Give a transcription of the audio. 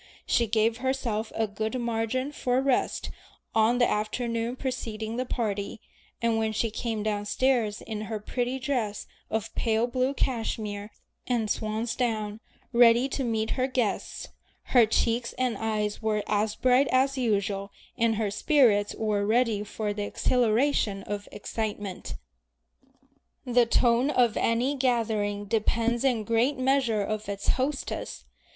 She gave herself a good margin for rest on the afternoon preceding the party, and when she came downstairs in her pretty dress of pale blue cashmere and swan's down, ready to meet her guests, her cheeks and eyes were as bright as usual, and her spirits were ready for the exhilaration of excitement. The tone of any gathering depends in great measure on its hostess.